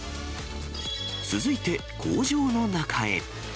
続いて、工場の中へ。